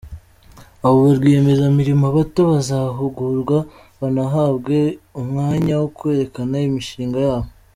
Abo ba rwiyemezamirimo bato bazahugurwa banahabwe umwanya wo kwerekana imishinga yabo.